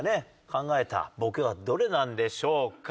考えたボケはどれなんでしょうか？